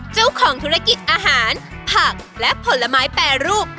เจ้าของธุรกิจอาหารผักและผลไม้แปรรูป